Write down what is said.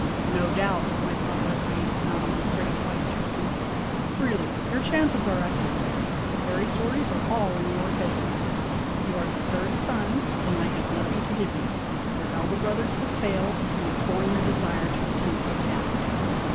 " No doubt," my father agreed, nodding his great white turban. " Really, your chances are excellent. The fairy stories are all in your favor. You are the third son, and I have nothing to give you; your elder brothers have failed, and scorn your desire to attempt the tasks.